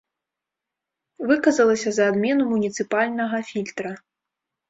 Выказалася за адмену муніцыпальнага фільтра.